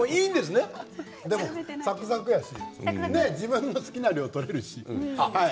サクサクだし自分の好きな量を取れるし。